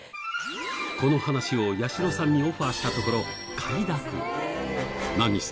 この話を八代さんにオファーしたところ何せ